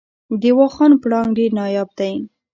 د واخان پړانګ ډیر نایاب دی